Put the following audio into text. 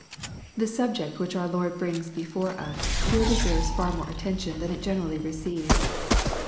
The subject which our Lord brings before us here de serves far more attention than it generally receives.